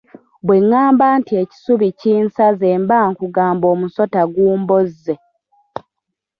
Bwe ŋŋamba nti ekisubi kinsaze mba nkugamba omusota gumbozze.